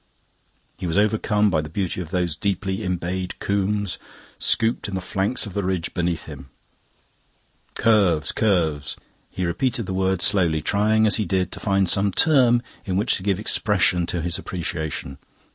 He was overcome by the beauty of those deeply embayed combes, scooped in the flanks of the ridge beneath him. Curves, curves: he repeated the word slowly, trying as he did so to find some term in which to give expression to his appreciation.